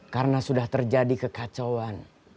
karena sudah terjadi kekacauan